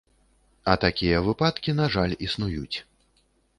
А такія выпадкі, на жаль, існуюць.